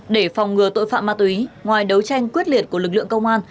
để phòng ngừa tội phạm ma túy ngoài đấu tranh quyết liệt của lực lượng công an